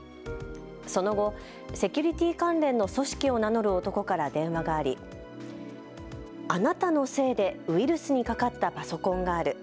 その後、セキュリティー関連の組織を名乗る男から電話があり、あなたのせいでウイルスにかかったパソコンがある。